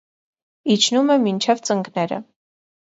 Իջնում է մինչև ծնկները։